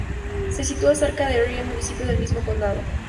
Se sitúa cerca de Rye, municipio del mismo condado.